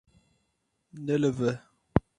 Nelive.